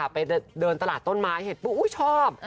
ไปเดินตลาดต้นไม้เห็นปุ๊บอุ๊ยชอบ